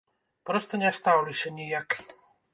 Проста не стаўлюся ніяк.